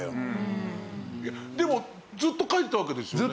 でもずっと描いてたわけですよね？